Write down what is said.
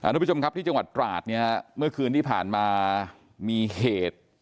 ทุกผู้ชมครับที่จังหวัดตราดเนี่ยเมื่อคืนที่ผ่านมามีเหตุ